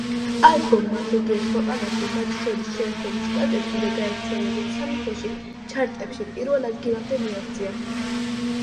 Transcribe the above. ალბომმა ზოგიერთ ქვეყანაში, მათ შორის შეერთებულ შტატებში და გაერთიანებულ სამეფოში, ჩარტებში პირველ ადგილამდე მიაღწია.